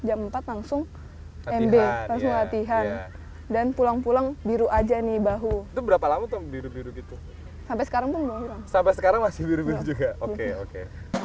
sampai sekarang masih biru biru juga oke oke